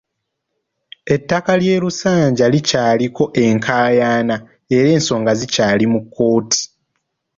Ettaka ly’e Lusanja likyaliko enkayaana era ensonga zikyali mu kkooti.